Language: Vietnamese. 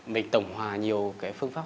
mình tổng hòa nhiều cái phương pháp